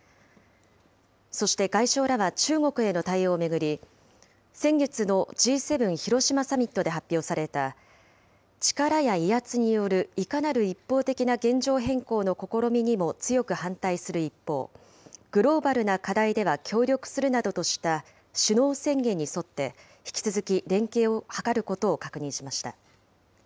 そして外相らは、中国への対応を巡り、先月のＧ７・広島サミットで発表された、力や威圧によるいかなる一方的な現状変更の試みにも強く反対する一方、グローバルな課題では協力するなどとした首脳宣言に沿って、引き続き連携を図ることを確認しました。